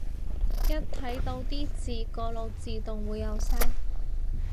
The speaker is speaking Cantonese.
一睇到啲字個腦自動會有聲